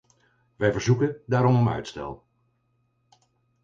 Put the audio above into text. Wij verzoeken daarom om uitstel.